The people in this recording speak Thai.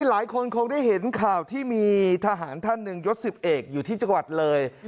หลายคนคงได้เห็นข่าวที่มีทหารท่านหนึ่งยศ๑๐เอกอยู่ที่จังหวัดเลย